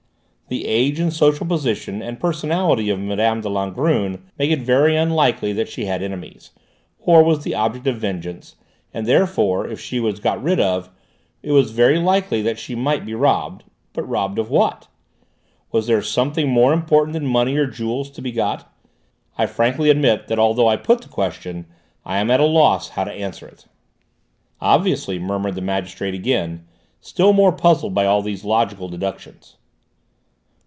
The age and social position and personality of Mme. de Langrune make it very unlikely that she had enemies, or was the object of vengeance, and therefore if she was got rid of, it was very likely that she might be robbed but robbed of what? Was there something more important than money or jewels to be got? I frankly admit that although I put the question I am at a loss how to answer it." "Obviously," murmured the magistrate again, still more puzzled by all these logical deductions.